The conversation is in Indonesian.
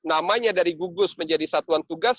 karena namanya dari gugus menjadi satuan tugas